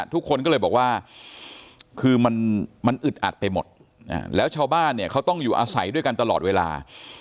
ทุกคนก็เลยบอกว่าคือมันอึดอัดไปหมดแล้วชาวบ้านเนี่ยเขาต้องอยู่อาศัยด้วยกันตลอดเวลา